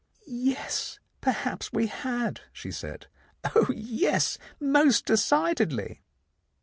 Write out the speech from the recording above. "Yes, perhaps we had," she said. "Oh, yes, most decidedly